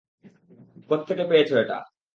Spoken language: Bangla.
কোত্থেকে পেয়েছ এটা?